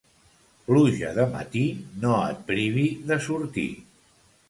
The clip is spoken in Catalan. Pluja de matí no et privi de sortir.